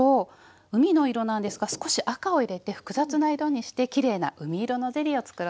海の色なんですが少し赤を入れて複雑な色にしてきれいな海色のゼリーをつくろうと思います。